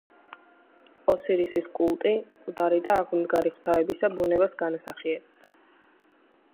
ოსირისის კულტი, მკვდარი და აღმდგარი ღვთაებისა ბუნებას განასახიერებდა.